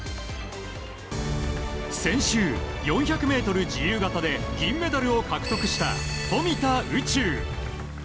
先週、４００ｍ自由形で銀メダルを獲得した富田宇宙。